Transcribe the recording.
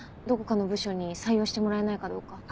どこかの部署に採用してもらえないかどうか。